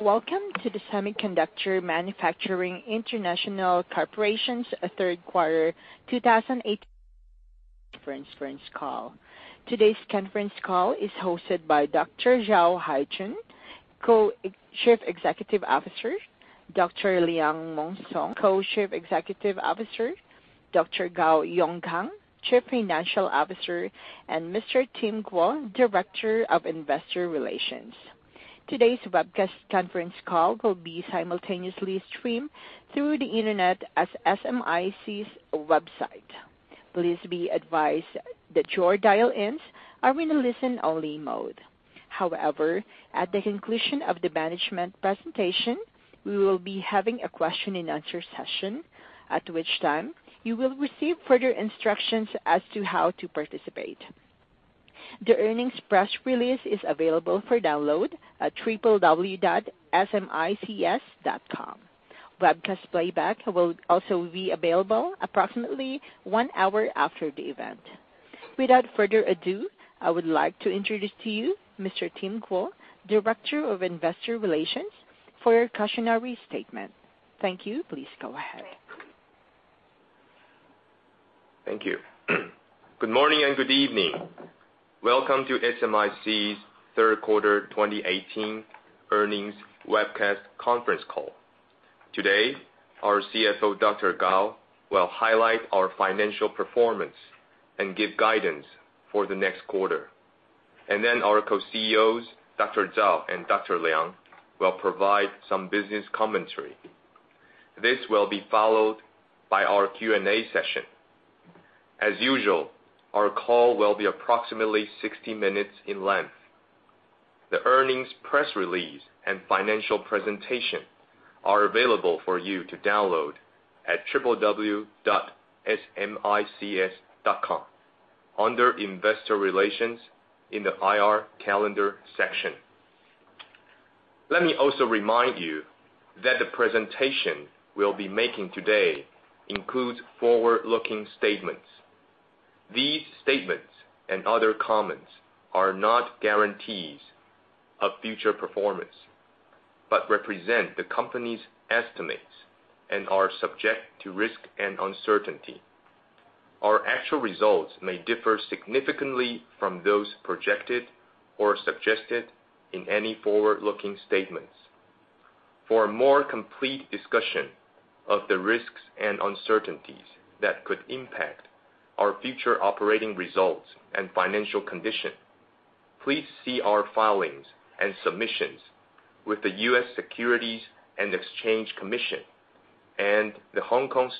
Welcome to the Semiconductor Manufacturing International Corporation's third quarter 2018 conference call. Today's conference call is hosted by Dr. Zhao Haijun, Co-Chief Executive Officer, Dr. Liang Mong Song, Co-Chief Executive Officer, Dr. Gao Yonggang, Chief Financial Officer, and Mr. Tim Kuo, Director of Investor Relations. Today's webcast conference call will be simultaneously streamed through the internet at www.smics.com. Please be advised that your dial-ins are in a listen-only mode. At the conclusion of the management presentation, we will be having a question and answer session. At which time, you will receive further instructions as to how to participate. The earnings press release is available for download at www.smics.com. Webcast playback will also be available approximately one hour after the event. Without further ado, I would like to introduce to you Mr. Tim Kuo, Director of Investor Relations, for a cautionary statement. Thank you. Please go ahead. Thank you. Good morning and good evening. Welcome to SMIC's third quarter 2018 earnings webcast conference call. Today, our CFO, Dr. Gao, will highlight our financial performance and give guidance for the next quarter. Then our Co-CEOs, Dr. Zhao and Dr. Liang, will provide some business commentary. This will be followed by our Q&A session. As usual, our call will be approximately 60 minutes in length. The earnings press release and financial presentation are available for you to download at www.smics.com, under Investor Relations in the IR Calendar section. Let me also remind you that the presentation we will be making today includes forward-looking statements. These statements and other comments are not guarantees of future performance, but represent the company's estimates and are subject to risk and uncertainty. Our actual results may differ significantly from those projected or suggested in any forward-looking statements. For a more complete discussion of the risks and uncertainties that could impact our future operating results and financial condition, please see our filings and submissions with the U.S. Securities and Exchange Commission and The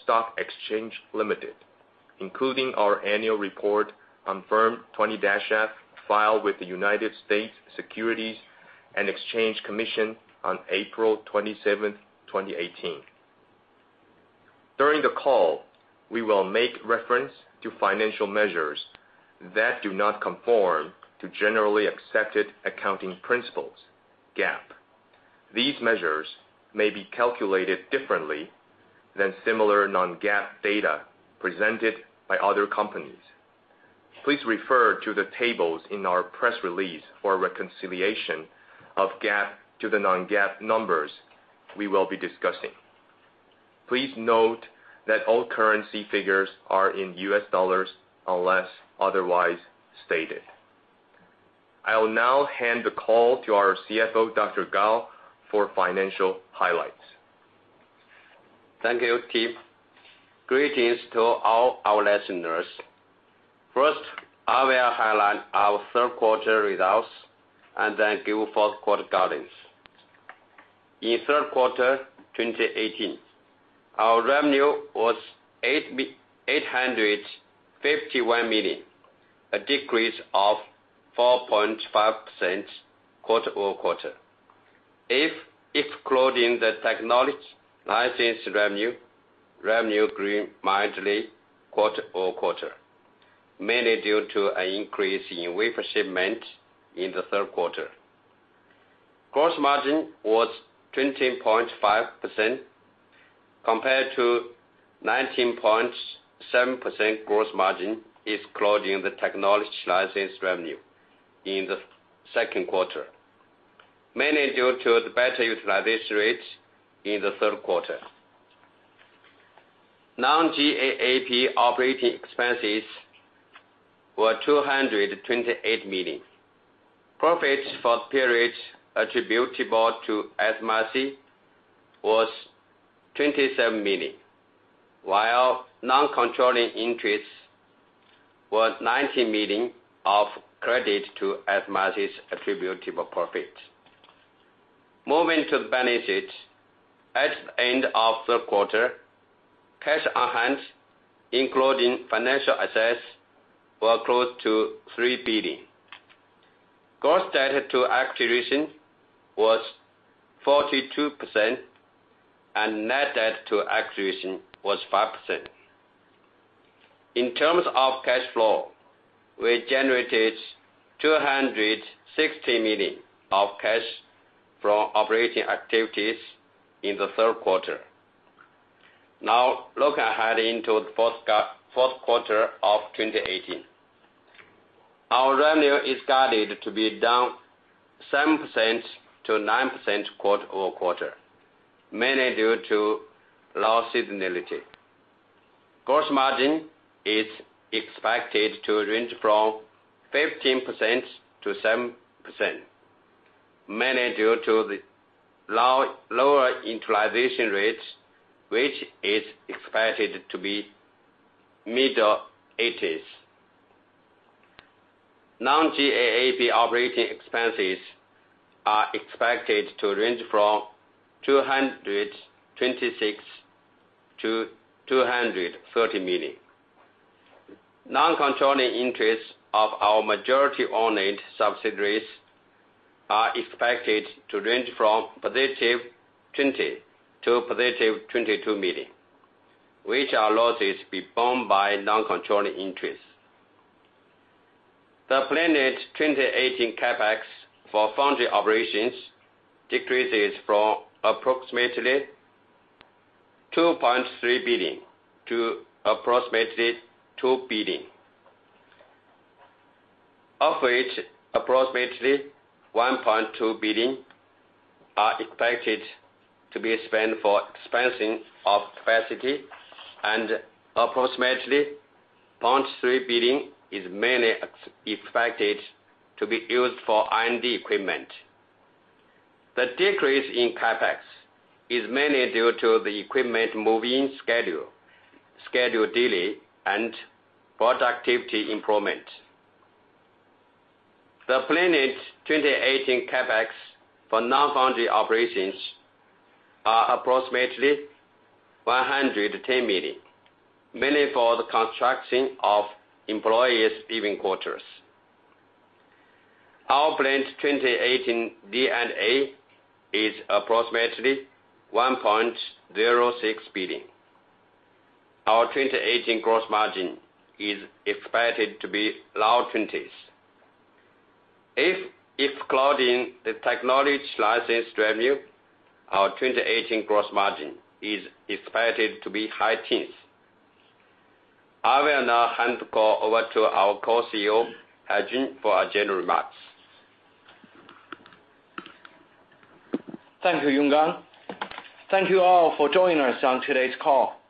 Stock Exchange of Hong Kong Limited, including our annual report on Form 20-F filed with the U.S. Securities and Exchange Commission on April 27th, 2018. During the call, we will make reference to financial measures that do not conform to generally accepted accounting principles, GAAP. These measures may be calculated differently than similar non-GAAP data presented by other companies. Please refer to the tables in our press release for a reconciliation of GAAP to the non-GAAP numbers we will be discussing. Please note that all currency figures are in U.S. dollars, unless otherwise stated. I will now hand the call to our CFO, Dr. Gao, for financial highlights. Thank you, Tim. Greetings to all our listeners. First, I will highlight our third quarter results and then give fourth quarter guidance. In third quarter 2018, our revenue was $851 million, a decrease of 4.5% quarter-over-quarter. If excluding the technology license revenue grew mildly quarter-over-quarter, mainly due to an increase in wafer shipment in the third quarter. Gross margin was 20.5% compared to 19.7% gross margin excluding the technology license revenue in the second quarter, mainly due to the better utilization rates in the third quarter. Non-GAAP operating expenses were $228 million. Profits for the period attributable to SMIC was $27 million, while non-controlling interests were $19 million of credit to SMIC's attributable profit. Moving to the balance sheet. At the end of the third quarter, cash on hand, including financial assets, were close to $3 billion. Gross debt to equity was 42%, and net debt to equity was 5%. In terms of cash flow, we generated $260 million of cash from operating activities in the third quarter. Looking ahead into the fourth quarter of 2018. Our revenue is guided to be down 7%-9% quarter-over-quarter, mainly due to low seasonality. Gross margin is expected to range from 15%-7%, mainly due to the lower utilization rates, which is expected to be mid-80s%. Non-GAAP operating expenses are expected to range from $226 million-$230 million. Non-controlling interests of our majority-owned subsidiaries are expected to range from positive $20 million to positive $22 million, which are losses borne by non-controlling interests. The planned 2018 CapEx for foundry operations decreases from approximately $2.3 billion to approximately $2 billion. Of which approximately $1.2 billion are expected to be spent for expansion of capacity and approximately $0.3 billion is mainly expected to be used for R&D equipment. The decrease in CapEx is mainly due to the equipment move-in schedule delay, and productivity improvement. The planned 2018 CapEx for non-foundry operations are approximately $110 million, mainly for the construction of employees' living quarters. Our planned 2018 D&A is approximately $1.06 billion. Our 2018 gross margin is expected to be low 20s%. If excluding the technology license revenue, our 2018 gross margin is expected to be high teens%. I will now hand the call over to our Co-CEO, Haijun, for our general remarks. Thank you, Yonggang. Thank you all for joining us on today's call.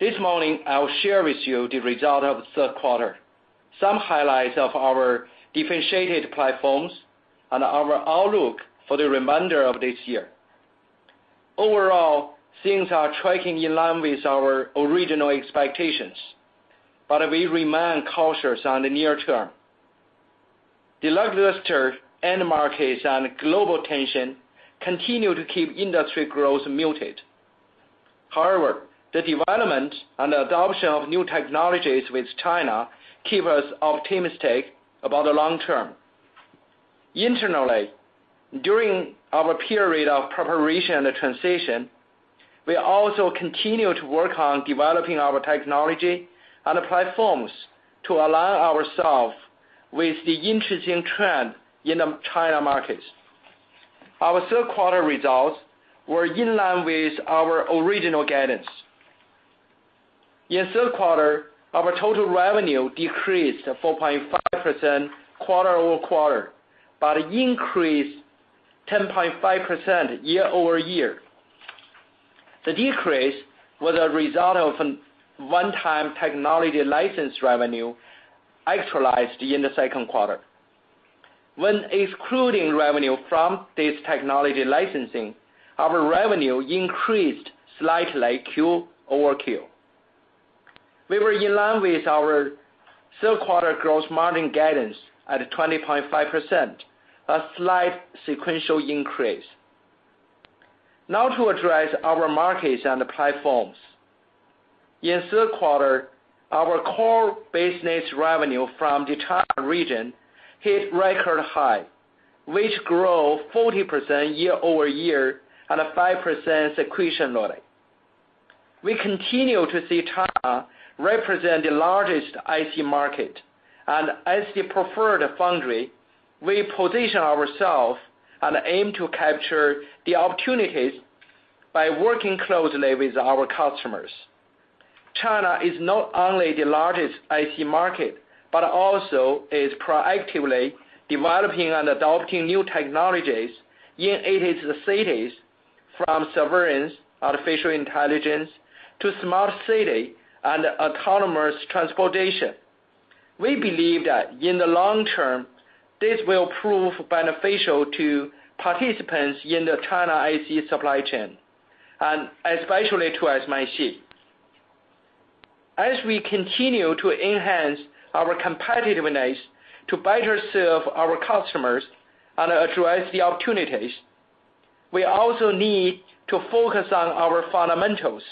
This morning, I will share with you the result of the third quarter, some highlights of our differentiated platforms, and our outlook for the remainder of this year. Overall, things are tracking in line with our original expectations. We remain cautious on the near term. The lackluster end markets and global tension continue to keep industry growth muted. The development and adoption of new technologies with China keep us optimistic about the long term. Internally, during our period of preparation and transition, we also continue to work on developing our technology and the platforms to align ourselves with the interesting trend in the China markets. Our third quarter results were in line with our original guidance. In the third quarter, our total revenue decreased 4.5% quarter-over-quarter, but increased 10.5% year-over-year. The decrease was a result of one-time technology license revenue actualized in the second quarter. When excluding revenue from this technology licensing, our revenue increased slightly Q-over-Q. We were in line with our third quarter gross margin guidance at 20.5%, a slight sequential increase. To address our markets and platforms. In the third quarter, our core business revenue from the China region hit record high, which grew 40% year-over-year at a 5% sequentially. We continue to see China represent the largest IC market. As the preferred foundry, we position ourselves and aim to capture the opportunities by working closely with our customers. China is not only the largest IC market but also is proactively developing and adopting new technologies in its cities from surveillance, artificial intelligence, to smart city and autonomous transportation. We believe that in the long term, this will prove beneficial to participants in the China IC supply chain, and especially to SMIC. As we continue to enhance our competitiveness to better serve our customers and address the opportunities, we also need to focus on our fundamentals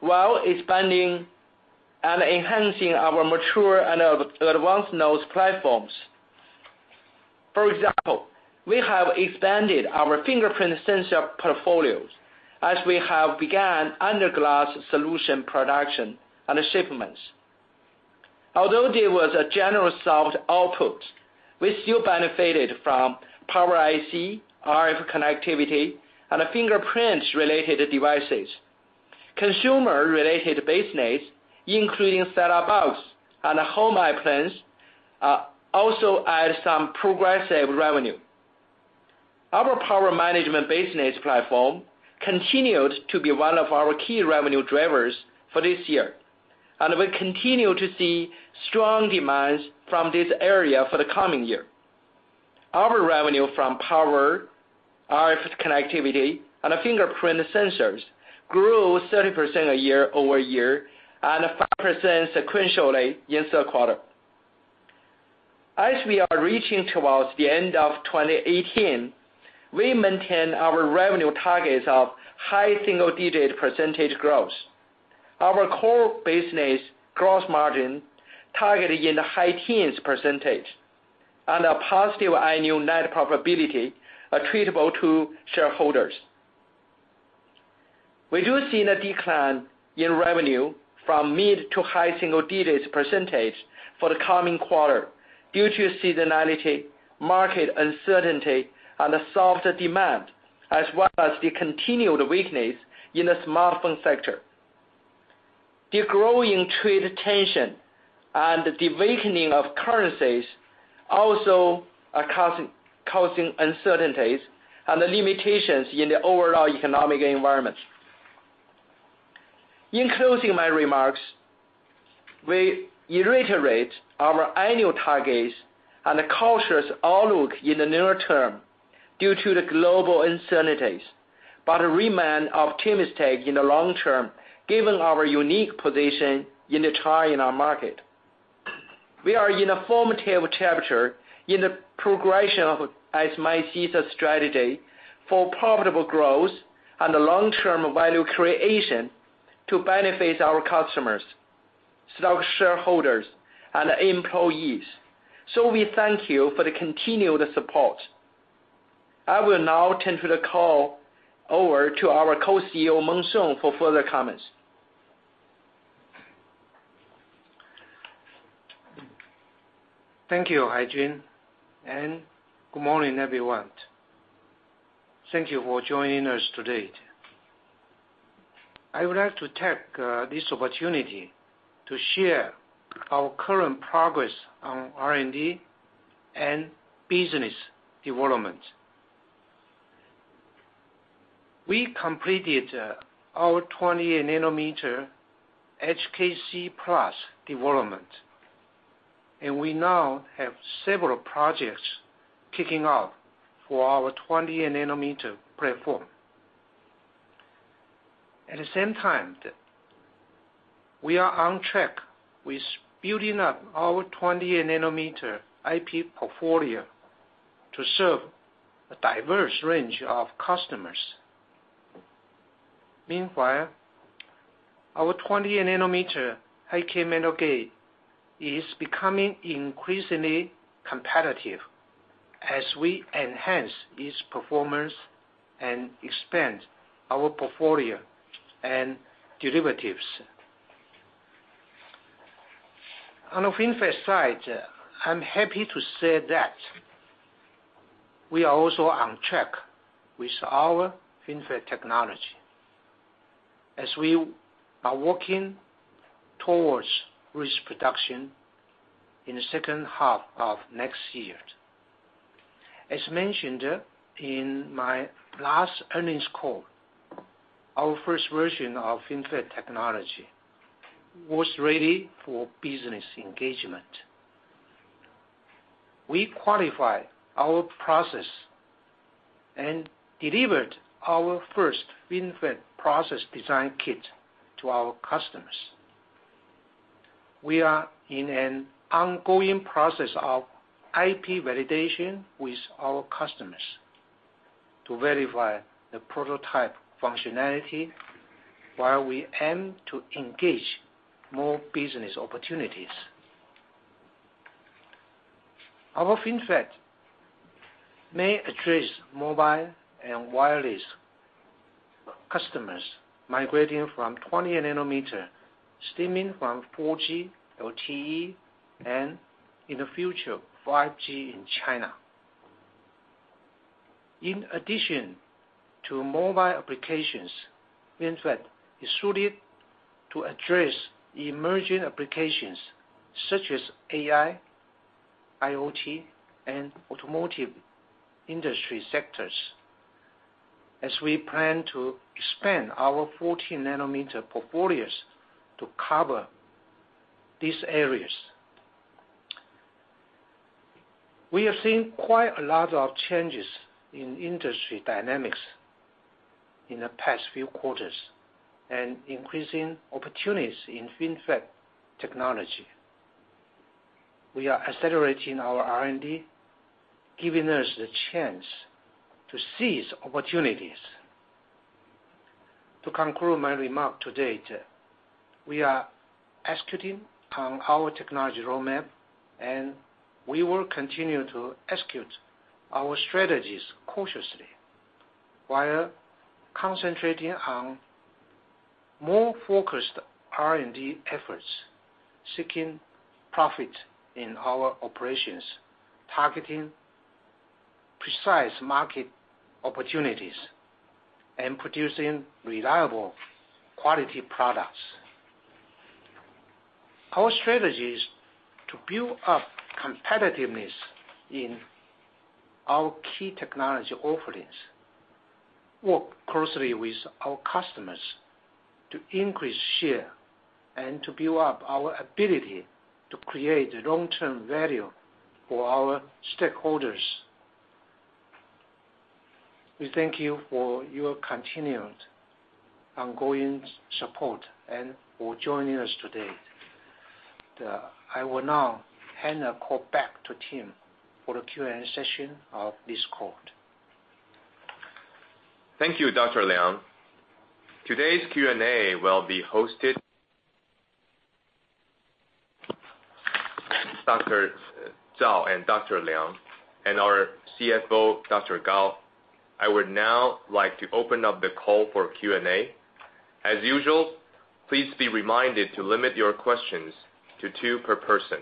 while expanding and enhancing our mature and advanced nodes platforms. For example, we have expanded our fingerprint sensor portfolios as we have begun under-glass solution production and shipments. Although there was a general soft output, we still benefited from power IC, RF connectivity, and fingerprint-related devices. Consumer-related business, including set-top box and home IP plans, also add some progressive revenue. Our power management business platform continued to be one of our key revenue drivers for this year. We continue to see strong demands from this area for the coming year. Our revenue from power, RF connectivity, and fingerprint sensors grew 30% year-over-year and 5% sequentially in third quarter. As we are reaching towards the end of 2018, we maintain our revenue targets of high single-digit percentage growth. Our core business gross margin targeted in the high teens percentage and a positive annual net profitability attributable to shareholders. We do see the decline in revenue from mid to high single digits percentage for the coming quarter due to seasonality, market uncertainty, and the softer demand, as well as the continued weakness in the smartphone sector. The growing trade tension and the weakening of currencies also are causing uncertainties and limitations in the overall economic environment. In closing my remarks, we reiterate our annual targets and cautious outlook in the near term due to the global uncertainties, but remain optimistic in the long term given our unique position in the China market. We are in a formative chapter in the progression of SMIC's strategy for profitable growth and long-term value creation to benefit our customers, stockholders, and employees. We thank you for the continued support. I will now turn the call over to our Co-CEO, Liang Mong Song, for further comments. Thank you, Haijun, and good morning, everyone. Thank you for joining us today. I would like to take this opportunity to share our current progress on R&D and business development. We completed our 28 nanometer HKC+ development, and we now have several projects kicking off for our 28 nanometer platform. At the same time, we are on track with building up our 28 nanometer IP portfolio to serve a diverse range of customers. Meanwhile, our 28 nanometer high-k metal gate is becoming increasingly competitive as we enhance its performance and expand our portfolio and derivatives. On the FinFET side, I'm happy to say that we are also on track with our FinFET technology as we are working towards risk production in the second half of next year. As mentioned in my last earnings call, our first version of FinFET technology was ready for business engagement. We qualified our process and delivered our first FinFET process design kit to our customers. We are in an ongoing process of IP validation with our customers to verify the prototype functionality, while we aim to engage more business opportunities. Our FinFET may address mobile and wireless customers migrating from 20 nanometer, stemming from 4G LTE, and in the future, 5G in China. In addition to mobile applications, FinFET is suited to address emerging applications such as AI, IoT, and automotive industry sectors, as we plan to expand our 14 nanometer portfolios to cover these areas. We have seen quite a lot of changes in industry dynamics in the past few quarters and increasing opportunities in FinFET technology. We are accelerating our R&D, giving us the chance to seize opportunities. To conclude my remark to date, we are executing on our technology roadmap, and we will continue to execute our strategies cautiously while concentrating on more focused R&D efforts, seeking profit in our operations, targeting precise market opportunities and producing reliable quality products. Our strategy is to build up competitiveness in our key technology offerings, work closely with our customers to increase share, and to build up our ability to create long-term value for our stakeholders. We thank you for your continued ongoing support and for joining us today. I will now hand the call back to Tim for the Q&A session of this call. Thank you, Dr. Liang. Today's Q&A will be hosted. Dr. Zhao and Dr. Liang and our CFO, Dr. Gao. I would now like to open up the call for Q&A. As usual, please be reminded to limit your questions to two per person.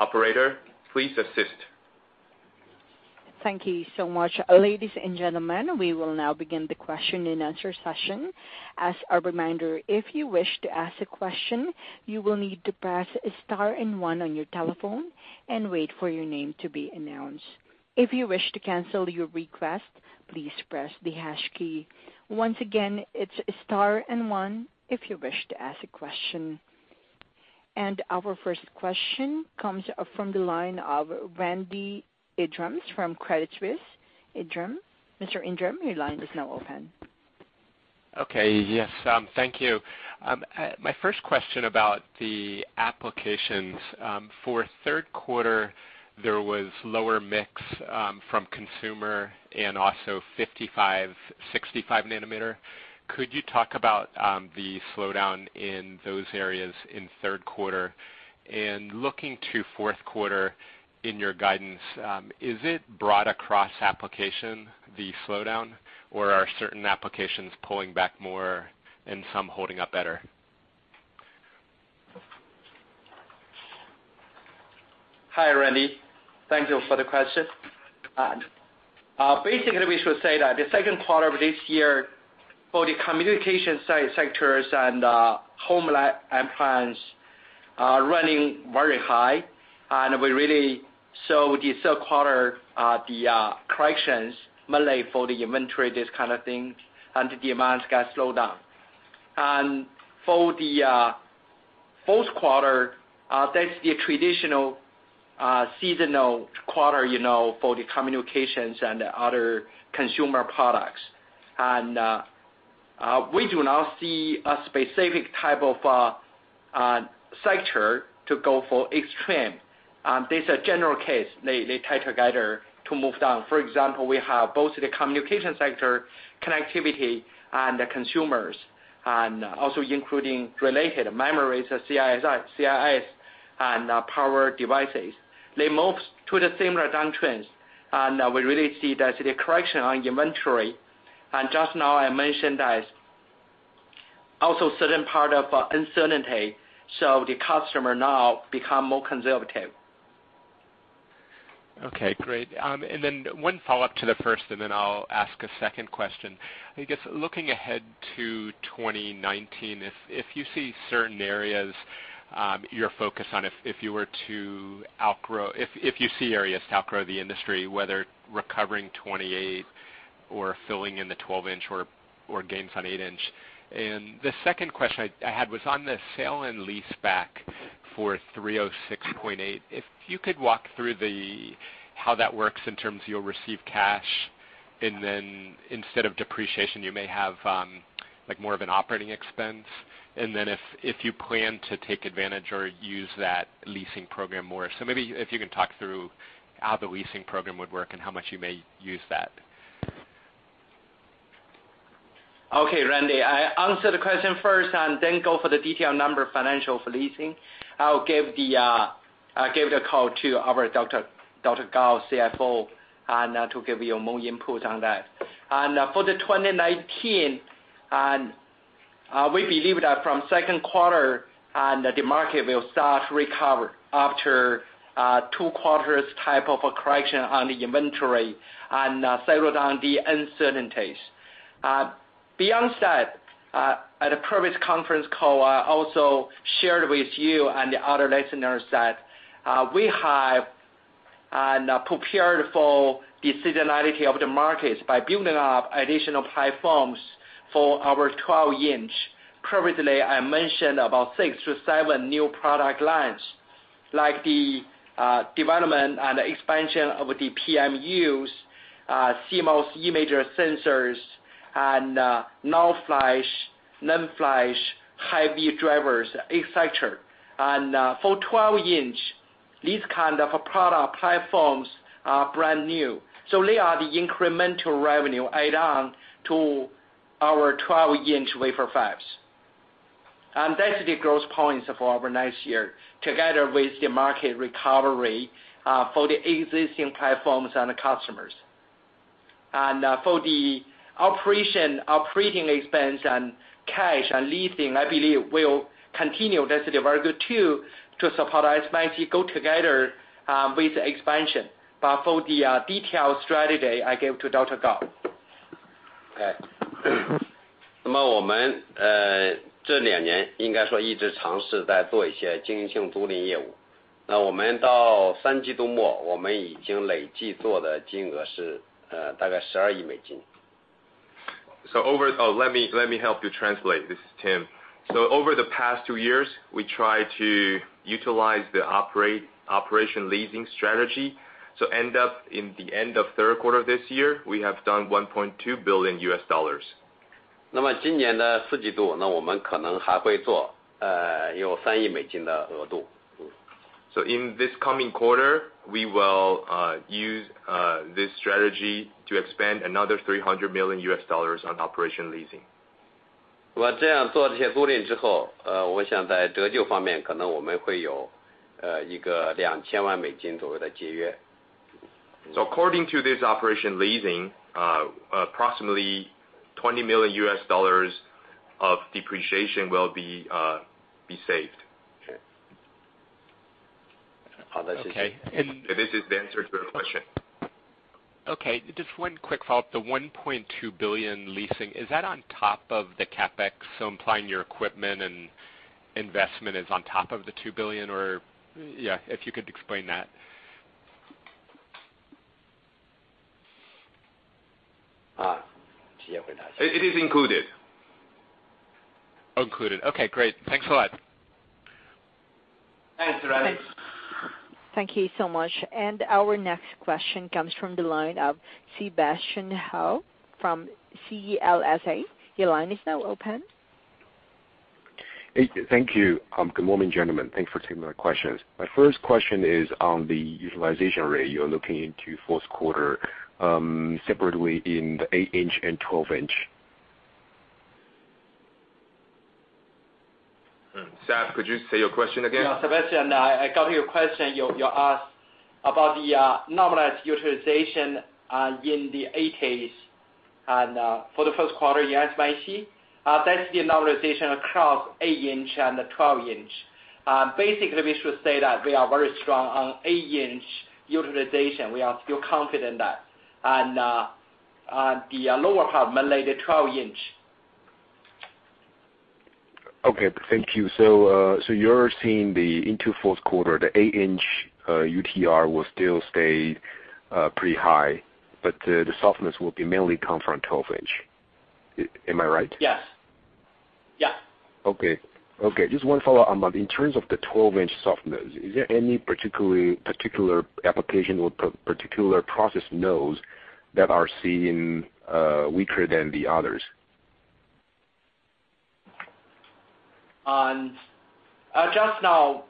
Operator, please assist. Thank you so much. Ladies and gentlemen, we will now begin the question and answer session. As a reminder, if you wish to ask a question, you will need to press star and one on your telephone and wait for your name to be announced. If you wish to cancel your request, please press the hash key. Once again, it's star and one if you wish to ask a question. Our first question comes from the line of Randy Abrams from Credit Suisse. Mr. Abrams, your line is now open. Okay. Yes, thank you. My first question about the applications. For third quarter, there was lower mix from consumer and also 55, 65 nanometer. Could you talk about the slowdown in those areas in third quarter? Looking to fourth quarter in your guidance, is it broad across application, the slowdown, or are certain applications pulling back more and some holding up better? Hi, Randy. Thank you for the question. Basically, we should say that the second quarter of this year for the communication sectors and home appliance are running very high, we really saw the third quarter, the corrections mainly for the inventory, this kind of thing, and the demands got slowed down. For the fourth quarter, that's the traditional seasonal quarter for the communications and other consumer products. We do not see a specific type of sector to go for extreme. This a general case they tie together to move down. For example, we have both the communication sector connectivity and the consumers, also including related memories, CIS, and power devices. They move to the same down trends, we really see that the correction on inventory. Just now I mentioned that also certain part of uncertainty, so the customer now become more conservative. Okay, great. Then one follow-up to the first, then I'll ask a second question. I guess looking ahead to 2019, if you see certain areas you're focused on, if you see areas to outgrow the industry, whether recovering 28 or filling in the 12-inch or gains on 8-inch. The second question I had was on the sale and lease back for $306.8. If you could walk through how that works in terms of you'll receive cash, then instead of depreciation, you may have more of an operating expense. Then if you plan to take advantage or use that leasing program more. Maybe if you can talk through how the leasing program would work and how much you may use that. Okay, Randy. I answer the question first then go for the detailed number financial for leasing. I'll give the call to our Dr. Gao, CFO, to give you more input on that. For the 2019, we believe that from second quarter on, the market will start to recover after two quarters type of a correction on the inventory and settle down the uncertainties. Beyond that, at a previous conference call, I also shared with you and the other listeners that we have prepared for the seasonality of the markets by building up additional platforms for our 12-inch. Previously, I mentioned about six to seven new product lines, like the development and expansion of the PMUs, CMOS image sensors, NAND flash, HV drivers, et cetera. For 12-inch, these kind of product platforms are brand new. They are the incremental revenue add on to our 12-inch wafer fabs. That's the growth points for our next year, together with the market recovery for the existing platforms and customers. For the operation, operating expense, and cash, and leasing, I believe we'll continue. That's a very good tool to support SMIC go together with expansion. For the detailed strategy, I give to Dr. Gao. Okay. Let me help you translate. This is Tim. Over the past two years, we tried to utilize the operation leasing strategy to end up in the end of third quarter this year, we have done $1.2 billion. In this coming quarter, we will use this strategy to expand another $300 million on operation leasing. According to this operation leasing, approximately $20 million of depreciation will be saved. Okay. This is the answer to your question. Okay. Just one quick follow-up. The $1.2 billion leasing, is that on top of the CapEx? Implying your equipment and investment is on top of the $2 billion, or? Yeah, if you could explain that. It is included. Included. Okay, great. Thanks a lot. Thanks, Randy. Thank you so much. Our next question comes from the line of Sebastian Hou from CLSA. Your line is now open. Hey, thank you. Good morning, gentlemen. Thanks for taking my questions. My first question is on the utilization rate. You are looking into fourth quarter, separately in the 8-inch and 12-inch. Seb, could you say your question again? Yeah, Sebastian, I got your question. You asked about the normalized utilization in the 8-inch and for the first quarter in SMIC. That is the normalization across 8-inch and the 12-inch. We should say that we are very strong on 8-inch utilization. We are still confident that. The lower part, mainly the 12-inch. Thank you. You're seeing into fourth quarter, the 8-inch UTR will still stay pretty high, but the softness will be mainly come from 12-inch. Am I right? Yes. Yeah. Just one follow-up. In terms of the 12-inch softness, is there any particular application or particular process nodes that are seen weaker than the others? Just now,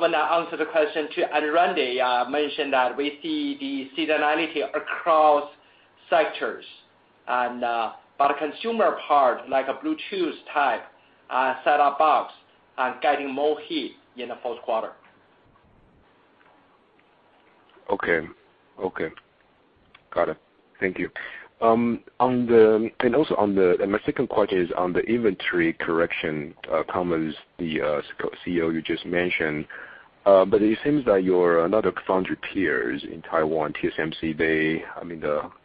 when I answered the question to Randy Abrams, I mentioned that we see the seasonality across sectors. Consumer part, like a Bluetooth type, set-top box, are getting more heat in the fourth quarter. Okay. Got it. Thank you. My second question is on the inventory correction comments the CEO you just mentioned. It seems that your other foundry peers in Taiwan, TSMC,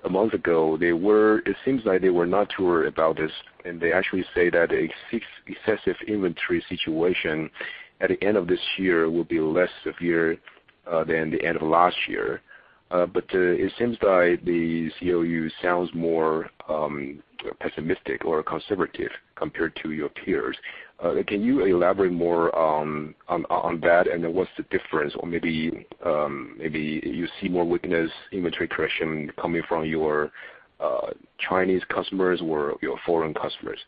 a month ago, it seems like they were not too worried about this, and they actually say that excessive inventory situation at the end of this year will be less severe than the end of last year. It seems like the CEO sounds more pessimistic or conservative compared to your peers. Can you elaborate more on that? What's the difference? Or maybe you see more weakness inventory correction coming from your Chinese customers or your foreign customers.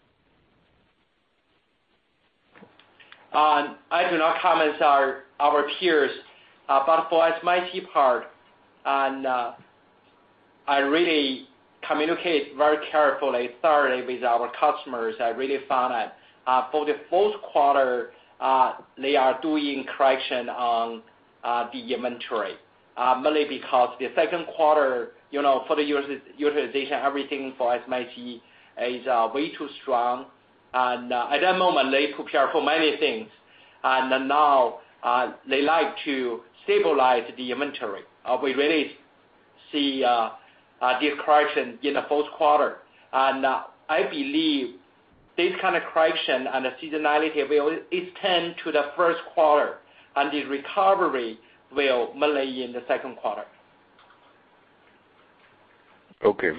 I do not comment our peers. For SMIC part, and I really communicate very carefully, thoroughly with our customers. I really found that for the fourth quarter, they are doing correction on the inventory. Mainly because the second quarter, for the utilization, everything for SMIC is way too strong. At that moment, they prepare for many things. Now, they like to stabilize the inventory. We really see this correction in the fourth quarter. I believe this kind of correction and the seasonality will extend to the first quarter, and the recovery will mainly in the second quarter. Okay.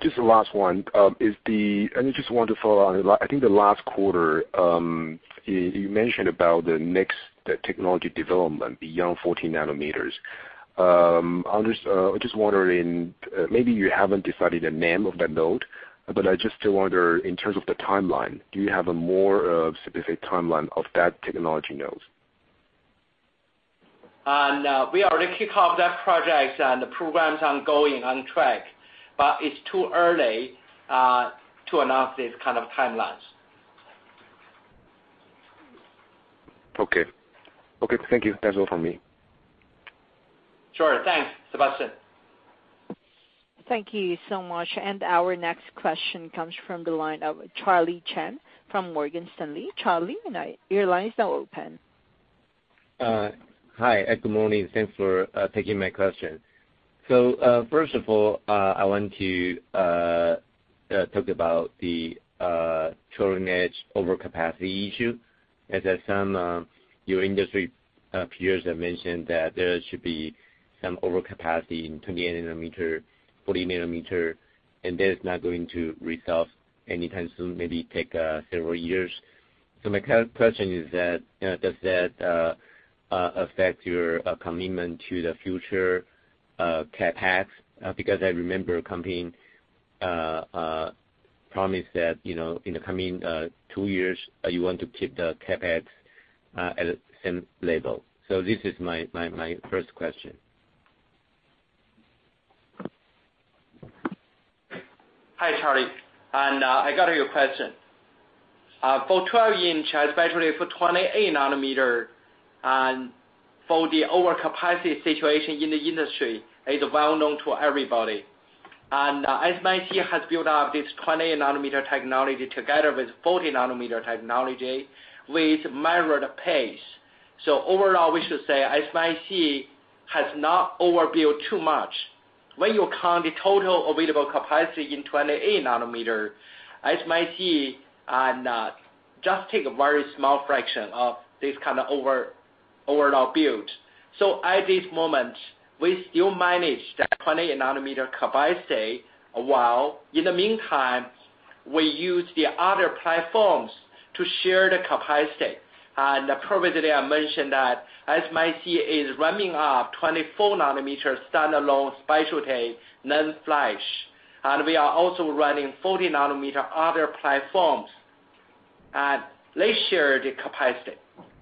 Just the last one. I just want to follow on, I think the last quarter, you mentioned about the next technology development beyond 14 nanometers. I'm just wondering, maybe you haven't decided the name of that node, but I just still wonder in terms of the timeline, do you have a more specific timeline of that technology node? We already kick off that project, and the program's ongoing, on track, but it's too early to announce these kind of timelines. Okay. Thank you. That's all from me. Sure, thanks, Sebastian. Thank you so much. Our next question comes from the line of Charlie Chan from Morgan Stanley. Charlie, your line is now open. Hi, good morning. Thanks for taking my question. First of all, I want to talk about the trailing edge overcapacity issue, as some of your industry peers have mentioned that there should be some overcapacity in 28 nanometer, 40 nanometer, that is not going to resolve anytime soon, maybe take several years. My question is that, does that affect your commitment to the future CapEx? I remember a company promised that, in the coming two years, you want to keep the CapEx at the same level. This is my first question. Hi, Charlie. I got your question. For 12-inch, especially for 28 nanometer, and for the overcapacity situation in the industry, is well-known to everybody. SMIC has built up this 28 nanometer technology together with 40 nanometer technology with measured pace. Overall, we should say SMIC has not overbuilt too much. When you count the total available capacity in 28 nanometer, SMIC just take a very small fraction of this kind of overall build. At this moment, we still manage that 28 nanometer capacity, while in the meantime, we use the other platforms to share the capacity. Previously, I mentioned that SMIC is ramping up 24 nm standalone specialty, NAND flash, and we are also running 40 nanometer other platforms. They share the capacity.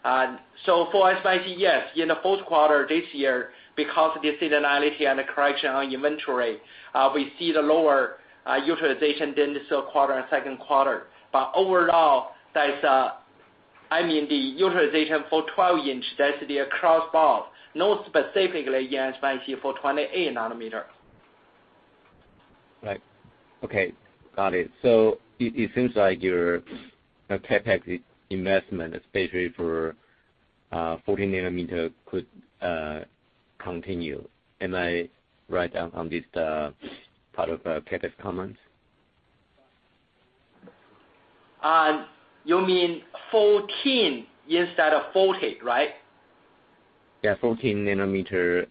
For SMIC, yes, in the fourth quarter this year, because of the seasonality and the correction on inventory, we see the lower utilization than the third quarter and second quarter. Overall, I mean the utilization for 12-inch, that's the across board, not specifically SMIC for 28 nanometer. Right. Okay, got it. It seems like your CapEx investment, especially for 14 nanometer could continue. Am I right on this part of CapEx comments? You mean 14 instead of 40, right? Yeah, 14 nanometer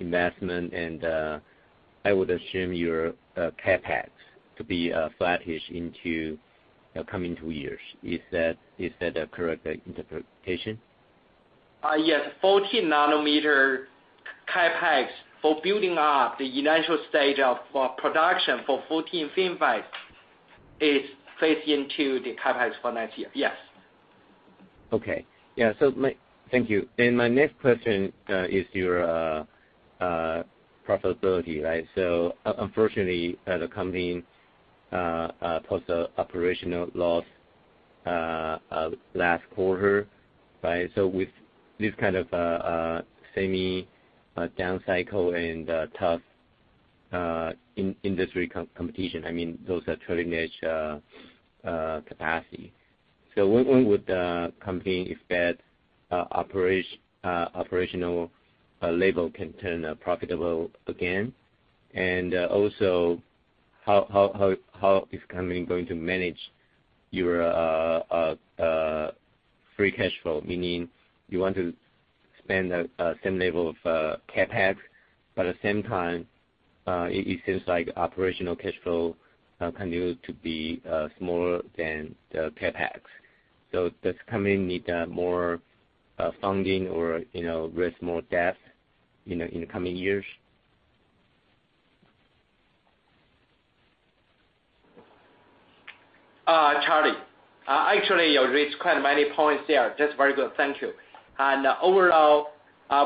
investment, and I would assume your CapEx to be flattish into the coming two years. Is that the correct interpretation? Yes, 14 nanometer CapEx for building up the initial stage of production for 14 FinFET is phased into the CapEx for next year. Yes. Okay. Yeah. Thank you. My next question is your profitability. Unfortunately, the company posted operational loss last quarter. With this kind of semi down cycle and tough industry competition, I mean, those are trailing edge capacity. When would the company, if that operational level can turn profitable again? Also, how is company going to manage your free cash flow? Meaning you want to spend the same level of CapEx, but at the same time, it seems like operational cash flow continue to be smaller than the CapEx. Does company need more funding or raise more debt in the coming years? Charlie, actually you raised quite many points there. That's very good. Thank you. Overall,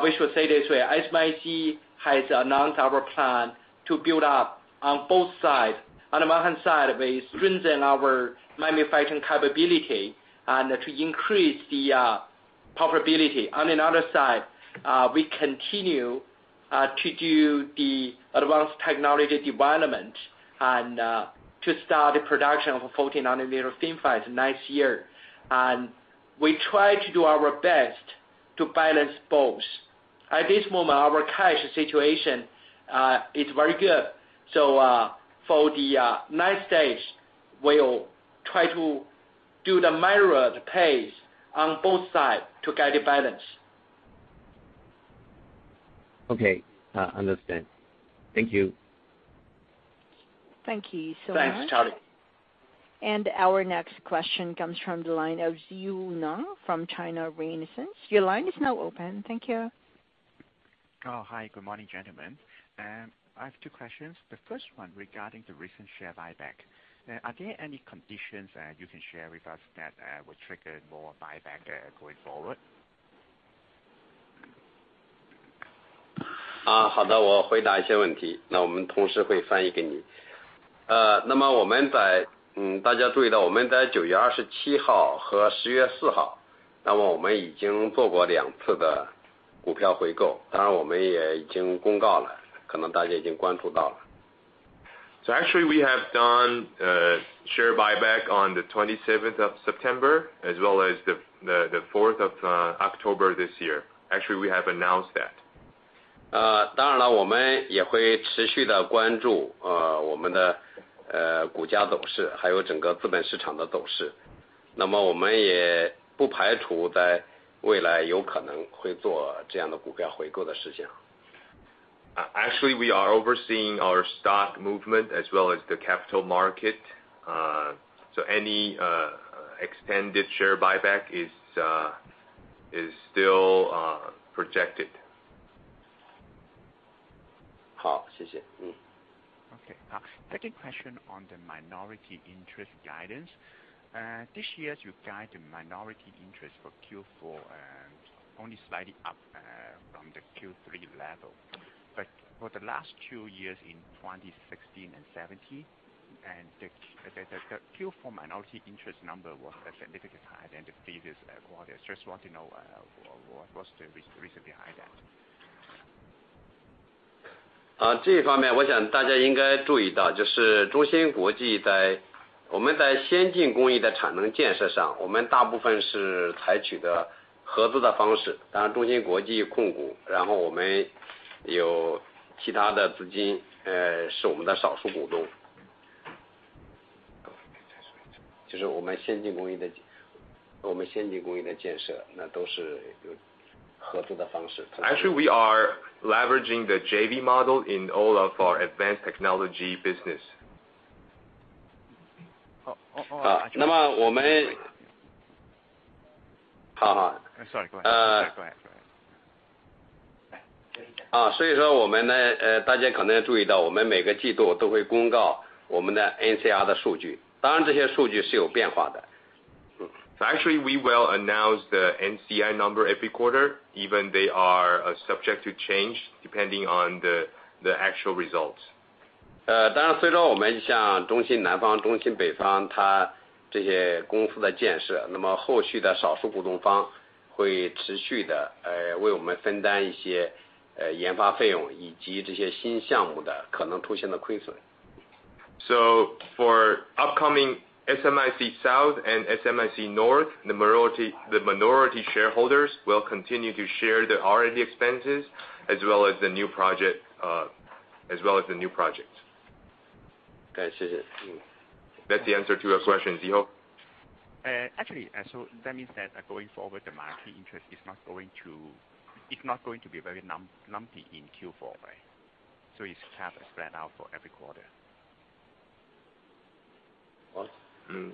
we should say it this way, SMIC has announced our plan to build up on both sides. On the one hand side, we strengthen our manufacturing capability and to increase the profitability. On the other side, we continue to do the advanced technology development and to start the production of a 14 nanometer FinFET next year. We try to do our best to balance both. At this moment, our cash situation is very good. For the next stage, we'll try to do the measured pace on both sides to get the balance. Okay. Understand. Thank you. Thank you so much. Thanks, Charlie. Our next question comes from the line of Zhi-Hao from China Renaissance. Your line is now open. Thank you. Hi, good morning, gentlemen. I have two questions. The first one regarding the recent share buyback. Are there any conditions that you can share with us that will trigger more buyback going forward? 好的，我回答一些问题，我们同事会翻译给你。大家注意到我们在9月27号和10月4号，已经做过两次的股票回购。当然我们也已经公告了，可能大家已经关注到了。Actually, we have done share buyback on the 27th of September, as well as the 4th of October this year. Actually, we have announced that. 当然了，我们也会持续地关注我们的股价走势，还有整个资本市场的走势。我们也不排除在未来有可能会做这样的股票回购的事情。Actually, we are overseeing our stock movement as well as the capital market. Any extended share buyback is still projected. 好，谢谢。Okay. Second question on the minority interest guidance. This year, you guide the minority interest for Q4 only slightly up from the Q3 level. For the last two years in 2016 and 2017, the Q4 minority interest number was significantly higher than the previous quarter. Just want to know what was the reason behind that? 这一方面我想大家应该注意到，中芯国际在先进工艺的产能建设上，大部分是采取的合资的方式。当然中芯国际控股，我们有其他的资金，是我们的少数股东。就是我们先进工艺的建设，都是有合资的方式。Actually, we are leveraging the JV model in all of our advanced technology business. 那么我们好。Sorry, go ahead. 所以说大家可能注意到，我们每个季度都会公告我们的NCI数据。当然这些数据是有变化的。Actually, we will announce the NCI number every quarter, even they are subject to change depending on the actual results. 当然，随着我们像中芯南方、中芯北方这些公司的建设，后续的少数股东方会持续地为我们分担一些研发费用，以及这些新项目可能出现的亏损。For upcoming SMIC South and SMIC North, the minority shareholders will continue to share the R&D expenses as well as the new projects. 好，谢谢。That's the answer to your question, Zhi-Hao? Actually, that means that going forward, the minority interest is not going to be very lumpy in Q4, right? It's kind of spread out for every quarter. 什么？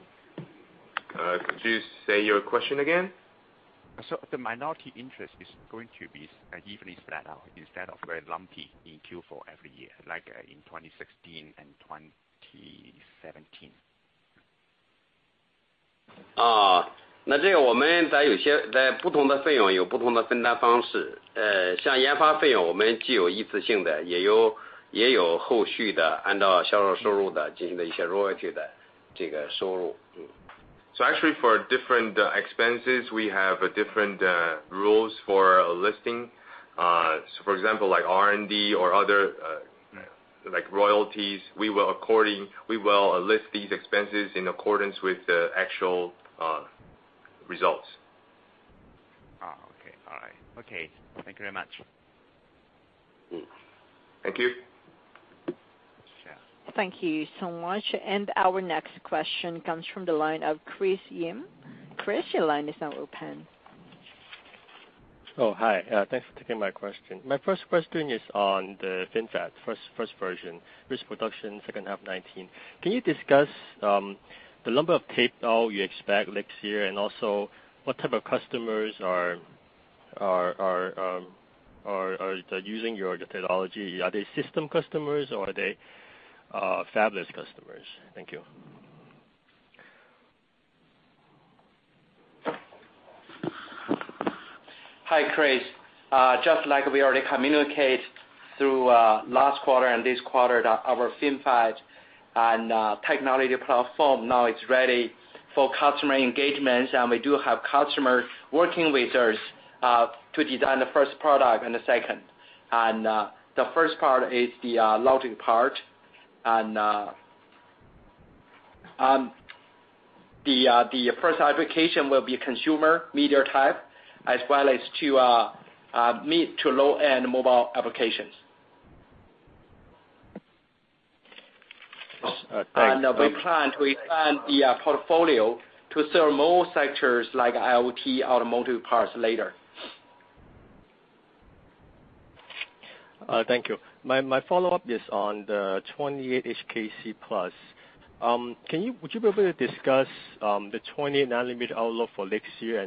Could you say your question again? The minority interest is going to be evenly spread out instead of very lumpy in Q4 every year, like in 2016 and 2017. 这个我们在不同的费用有不同的分担方式，像研发费用，我们既有一次性的，也有后续的，按照销售收入的进行的一些royalty的收入。Actually for different expenses, we have different rules for listing. For example, like R&D or other royalties, we will list these expenses in accordance with the actual results. Okay. All right. Thank you very much. Thank you. Thank you so much. Our next question comes from the line of Chris Yim. Chris, your line is now open. Oh, hi. Thanks for taking my question. My first question is on the FinFET first version, risk production second half 2019. Can you discuss the number of tape out you expect next year? What type of customers are using your technology? Are they system customers or are they fabless customers? Thank you. Hi, Chris. Just like we already communicate through last quarter and this quarter that our FinFET and technology platform now is ready for customer engagements. We do have customers working with us to design the first product and the second. The first part is the logic part. The first application will be consumer media type as well as to mid to low-end mobile applications. Thanks。We plan the portfolio to serve more sectors like IoT, automotive parts later. Thank you. My follow-up is on the 28HKC+. Would you be able to discuss the 28 nanometer outlook for next year,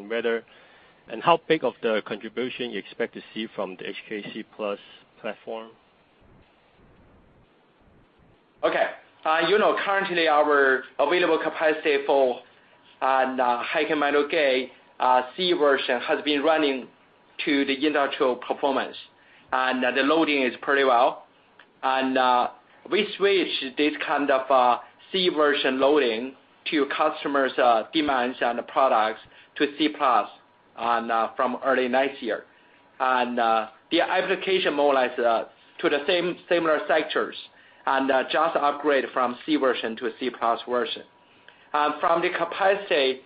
and how big of the contribution you expect to see from the HKC+ platform? Okay. You know, currently our available capacity for high metal gate C version has been running to the industrial performance, and the loading is pretty well. We switch this kind of C version loading to customers' demands and products to C Plus from early next year. The application more or less to the similar sectors and just upgrade from C version to C Plus version. From the capacity,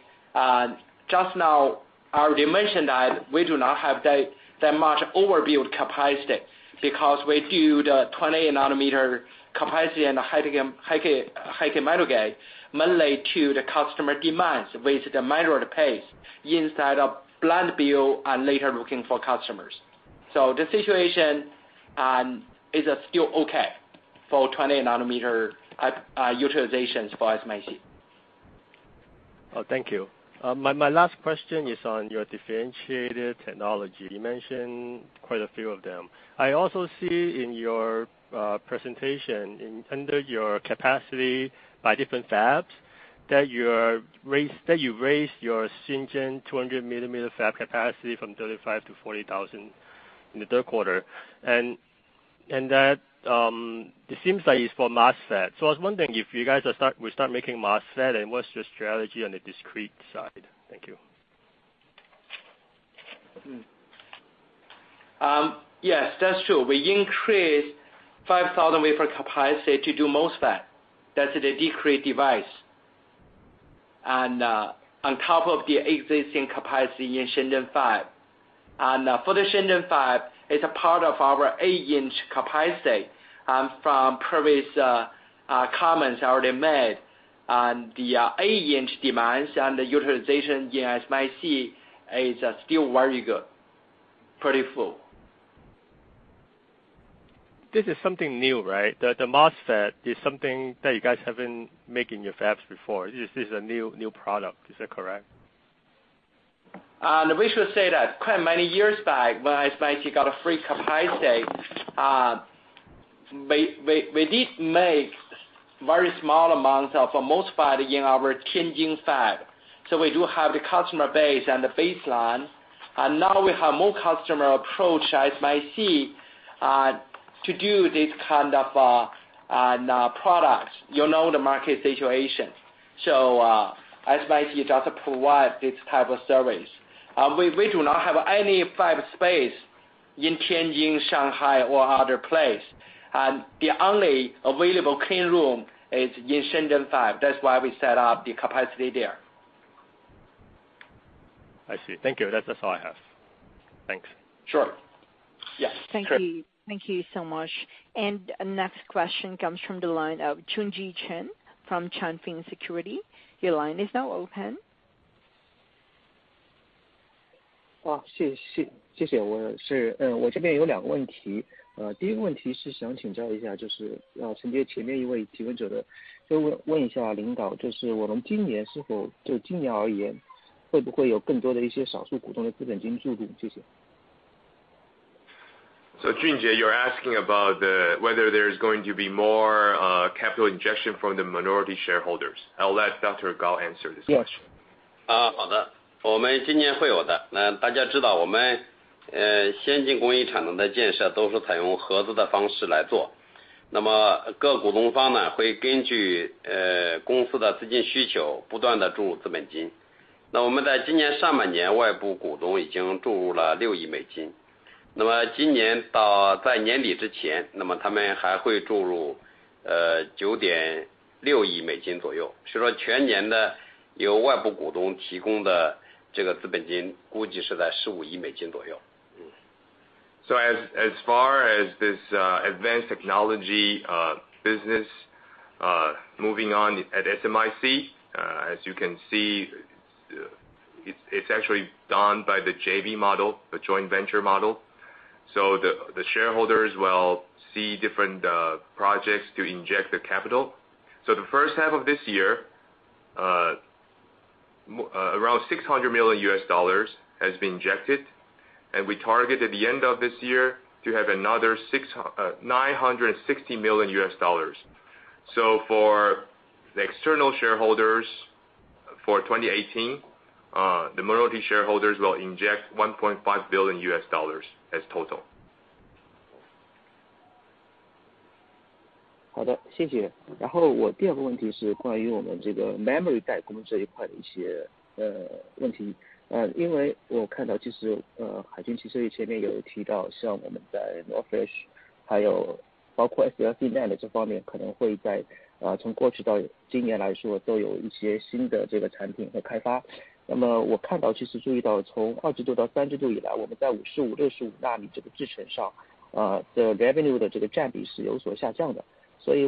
just now I already mentioned that we do not have that much overbuild capacity because we do the 28 nanometer capacity and high metal gate mainly to the customer demands with the moderate pace inside of plant build and later looking for customers. The situation is still okay for 28 nanometer utilizations for SMIC. Thank you. My last question is on your differentiated technology. You mentioned quite a few of them. I also see in your presentation under your capacity by different fabs that you raised your Shenzhen 200 mm fab capacity from 35,000 to 40,000 in the third quarter. That it seems like it's for MOSFET. I was wondering if you guys will start making MOSFET, and what's your strategy on the discrete side? Thank you. Yes, that's true. We increased 5,000 wafer capacity to do MOSFET. That's the discrete device. On top of the existing capacity in Shenzhen five. For the Shenzhen five, it's a part of our 8-inch capacity. From previous comments already made on the 8-inch demands and the utilization in SMIC is still very good. Pretty full. This is something new, right? The MOSFET is something that you guys haven't made in your fabs before. This is a new product. Is that correct? We should say that quite many years back, when SMIC got a free capacity, we did make very small amounts of MOSFET in our Tianjin fab. We do have the customer base and the baseline, and now we have more customer approach SMIC to do this kind of products. You know the market situation. SMIC just provide this type of service. We do not have any fab space in Tianjin, Shanghai, or other place, and the only available clean room is in Shenzhen 5. That's why we set up the capacity there. I see. Thank you. That's all I have. Thanks. Sure. Yes. Thank you. Thank you so much. Next question comes from the line of Junjie Chen from Yuanta Securities. Your line is now open. Junjie, you're asking about whether there's going to be more capital injection from the minority shareholders. I'll let Dr. Gao answer this question. Yes. As far as this advanced technology business moving on at SMIC, as you can see, it's actually done by the JV model, the joint venture model. The shareholders will see different projects to inject the capital. The first half of this year, around $600 million has been injected, and we target at the end of this year to have another $960 million. For the external shareholders, for 2018, the minority shareholders will inject $1.5 billion as total. Okay.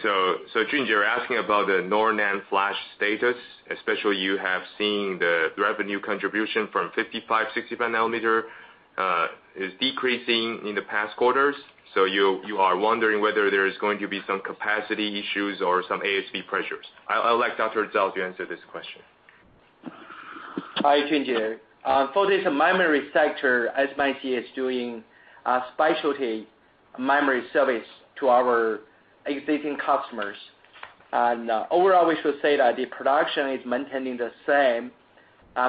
Junjie, you're asking about the NOR-NAND flash status, especially you have seen the revenue contribution from 55, 65 nanometer is decreasing in the past quarters. You are wondering whether there is going to be some capacity issues or some ASP pressures. I'll let Dr. Zhao to answer this question. Hi, Junjie. For this memory sector, SMIC is doing a specialty memory service to our existing customers. Overall, we should say that the production is maintaining the same,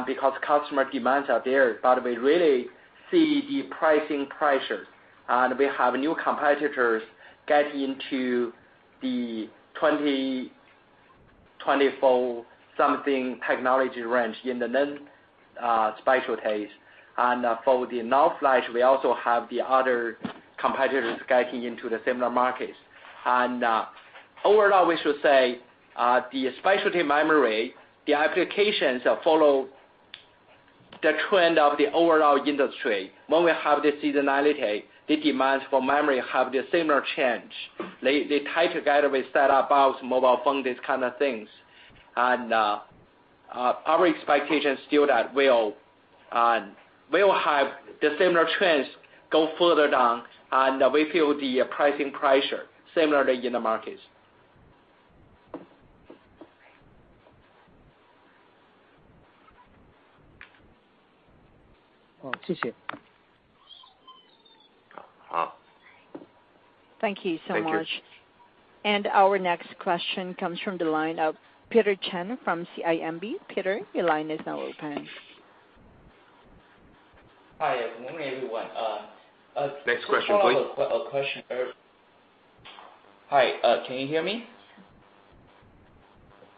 because customer demands are there. We really see the pricing pressures, and we have new competitors get into the 20, 24 something technology range in the NAND specialties. For the NAND flash, we also have the other competitors getting into the similar markets. Overall, we should say, the specialty memory, the applications follow the trend of the overall industry. When we have the seasonality, the demands for memory have the similar change. They tie together with set-top box, mobile phone, these kind of things. Our expectation is still that we'll have the similar trends go further down, and we feel the pricing pressure similarly in the markets. Thank you so much. Thank you. Our next question comes from the line of Peter Chen from CIMB. Peter, your line is now open. Hi, good morning everyone. Next question, please. A question earlier. Hi, can you hear me?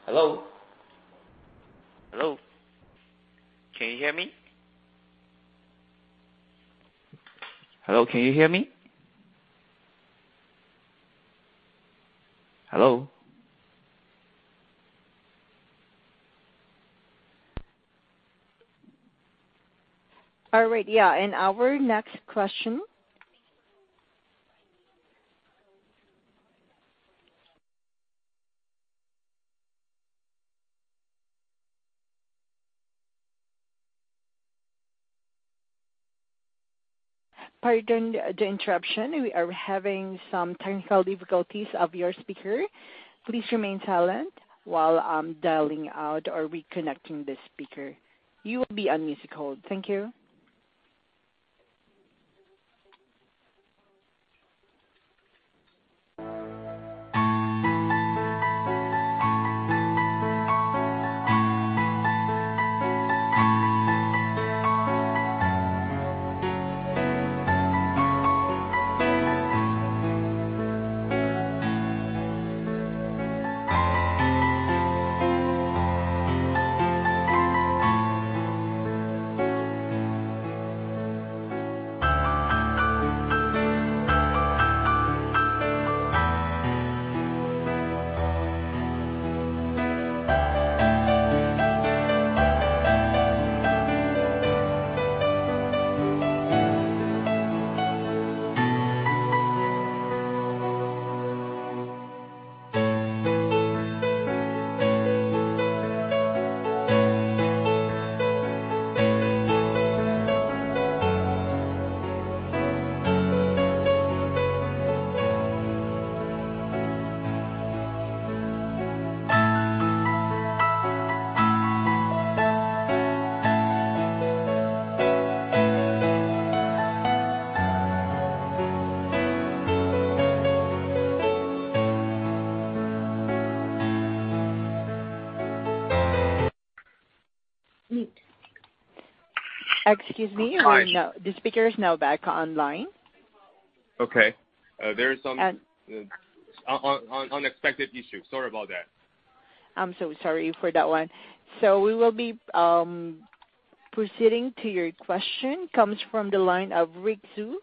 Hello? Hello? Can you hear me? Hello, can you hear me? Hello? All right. Yeah. Our next question. Pardon the interruption. We are having some technical difficulties of your speaker. Please remain silent while I'm dialing out or reconnecting this speaker. You will be on music hold. Thank you. Mute. Excuse me. Hi. The speaker is now back online. Okay. There is some unexpected issue. Sorry about that. I'm so sorry for that one. We will be proceeding to your question, comes from the line of Rick Hsu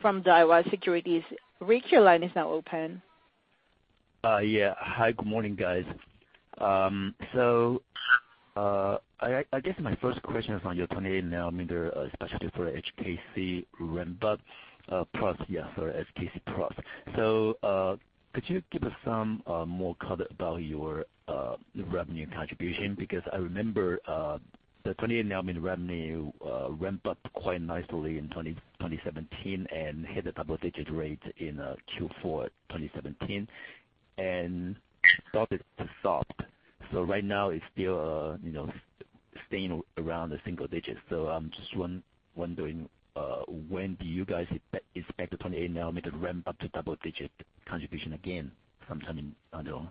from Daiwa Securities. Rick, your line is now open. Yeah. Hi, good morning, guys. I guess my first question is on your 28 nanometer specialty for HKC ramp-up. Sorry, HKC products. Could you give us some more color about your revenue contribution? Because I remember the 28 nanometer revenue ramp-up quite nicely in 2017 and hit a double-digit rate in Q4 2017 and started to stop. Right now it's still staying around the single digits. I'm just wondering, when do you guys expect the 28 nanometer to ramp up to double-digit contribution again sometime down the road?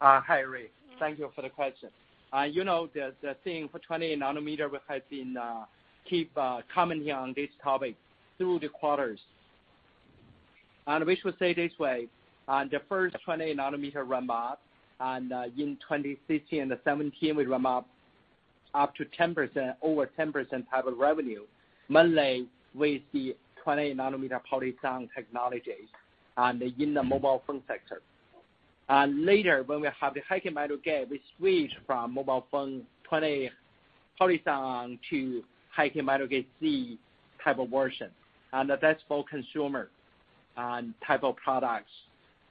Hi, Rick. Thank you for the question. You know the thing for 28 nanometer, we have been keep commenting on this topic through the quarters. We should say this way, the first 28 nanometer ramp-up, in 2016 and 2017, we ramp up to over 10% type of revenue, mainly with the 28 nanometer polysilicon technologies in the mobile phone sector. Later when we have the high-k metal gate, we switch from mobile phone 28nm polysilicon to high-k metal gate Z type of version. That's for consumer type of products.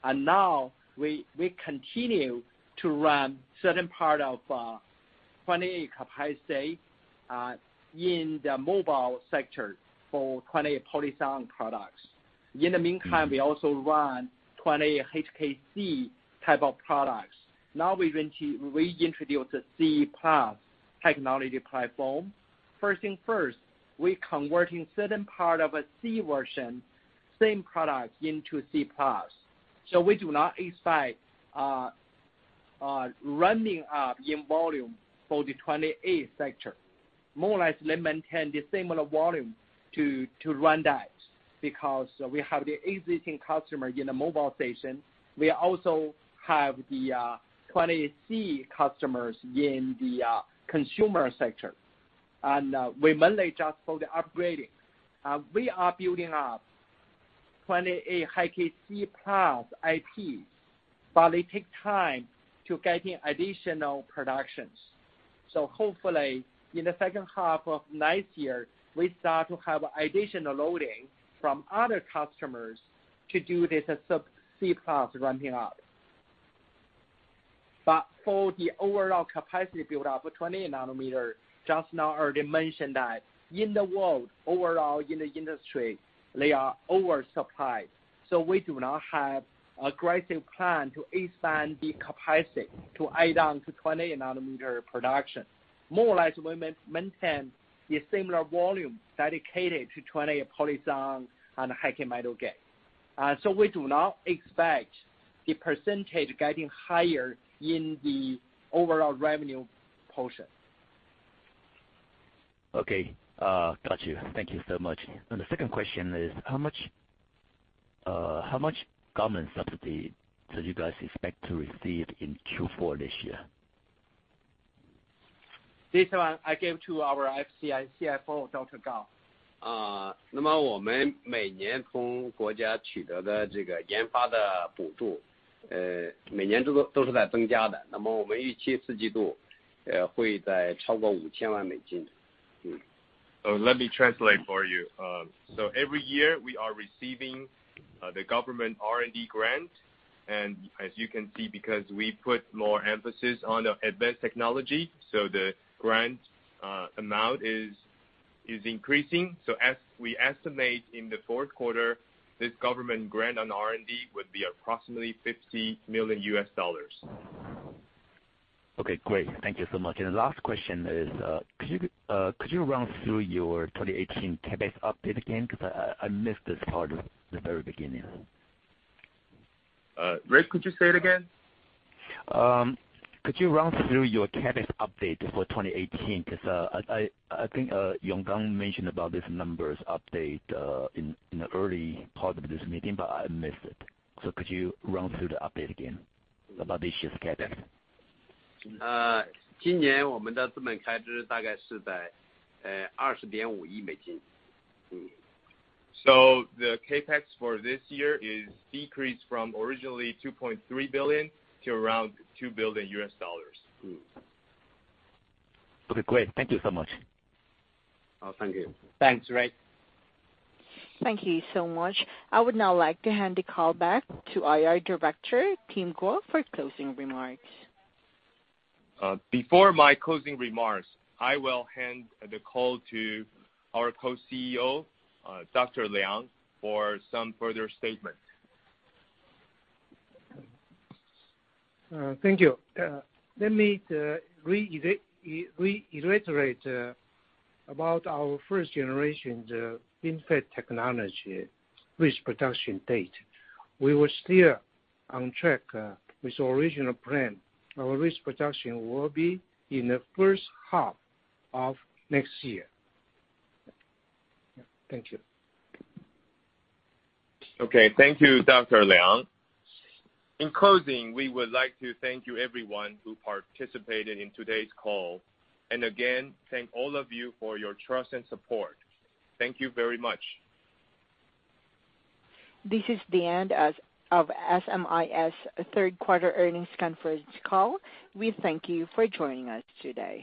Now we continue to run certain part of 28 capacity in the mobile sector for 28nm polysilicon products. In the meantime, we also run 28 HKC type of products. Now we introduce a C+ technology platform. First thing first, we're converting certain part of a C version, same product, into C+. We do not expect a ramping up in volume for the 28 sector. More or less maintain the similar volume to run that, because we have the existing customer in the mobile station. We also have the 28C customers in the consumer sector. We mainly just for the upgrading. We are building up 28 high C+ IPs, but they take time to get in additional productions. Hopefully in the second half of next year, we start to have additional loading from other customers to do this C+ ramping up. For the overall capacity build up for 28 nanometer, just now already mentioned that in the world, overall in the industry, they are over supplied. We do not have aggressive plan to expand the capacity to add on to 28 nanometer production. More or less, we maintain a similar volume dedicated to 28nm polysilicon and high-k metal gate. We do not expect the percentage getting higher in the overall revenue portion. Okay. Got you. Thank you so much. The second question is, how much government subsidy do you guys expect to receive in Q4 this year? This one I give to our CFO, Dr. Gao. Let me translate for you. Every year we are receiving the government R&D grant, and as you can see, because we put more emphasis on the advanced technology, the grant amount is increasing. We estimate in the fourth quarter, this government grant on R&D would be approximately $50 million. Okay, great. Thank you so much. The last question is, could you run through your 2018 CapEx update again? I missed this part at the very beginning. Ray, could you say it again? Could you run through your CapEx update for 2018? I think Gao Yonggang mentioned about this numbers update in the early part of this meeting, but I missed it. Could you run through the update again about this year's CapEx? The CapEx for this year is decreased from originally $2.3 billion to around $2 billion US dollars. Okay, great. Thank you so much. Oh, thank you. Thanks, Ray. Thank you so much. I would now like to hand the call back to IR Director, Tim Guo, for closing remarks. Before my closing remarks, I will hand the call to our Co-CEO, Dr. Liang, for some further statement. Thank you. Let me reiterate about our first generation FinFET technology, mass production date. We were still on track with the original plan. Our mass production will be in the first half of next year. Thank you. Okay, thank you, Dr. Liang. In closing, we would like to thank you everyone who participated in today's call, again, thank all of you for your trust and support. Thank you very much. This is the end of SMIC's third quarter earnings conference call. We thank you for joining us today.